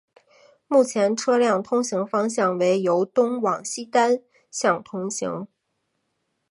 目前车辆通行方向为由东往西单向通行。